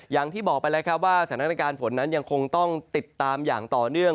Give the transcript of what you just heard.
อย่างที่บอกไปแล้วครับว่าสถานการณ์ฝนนั้นยังคงต้องติดตามอย่างต่อเนื่อง